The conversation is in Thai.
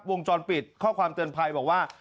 วงจรปิดข้อความเตือนภัยบอกว่า